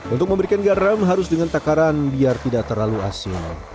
untuk memberikan garam harus dengan takaran biar tidak terlalu asin